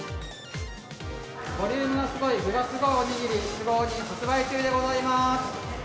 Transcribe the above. ボリュームがすごい、具がすごいおにぎり、スゴおに発売中でございます。